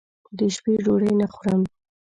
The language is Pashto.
دشپې ډوډۍ نه خورم